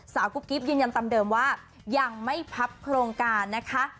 กุ๊กกิ๊บยืนยันตามเดิมว่ายังไม่พับโครงการนะคะ